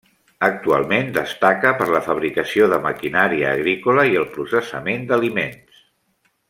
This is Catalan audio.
Actualment destaca per la fabricació de maquinària agrícola i el processament d'aliments.